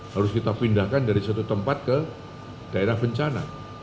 harus kita pindahkan dari satu tempat ke daerah bencana